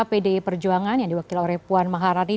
pdi perjuangan yang diwakil oleh puan maharani